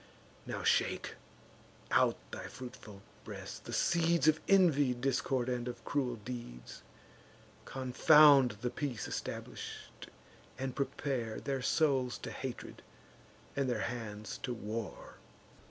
Now shake, out thy fruitful breast, the seeds Of envy, discord, and of cruel deeds: Confound the peace establish'd, and prepare Their souls to hatred, and their hands to war."